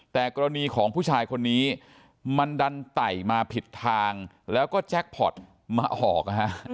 แต่กรณีของผู้ชายคนนี้มันดันไต่มาผิดทางแล้วก็แจ็คพอร์ตมาออกนะฮะ